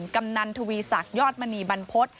กำนันทวีศักดิ์ยอดมณีบรรพฤษ